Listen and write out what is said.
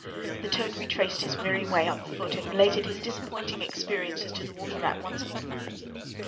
The Toad retraced his weary way on foot, and related his disappointing experiences to the Water Rat once more.